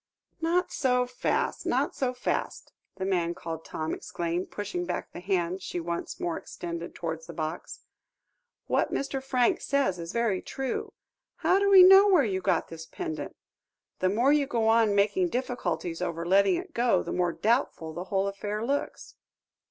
"Not so fast, not so fast," the man called Tom exclaimed, pushing back the hand she once more extended towards the box. "What Mr. Franks says is very true how do we know where you got this pendant? The more you go on making difficulties over letting it go, the more doubtful the whole affair looks.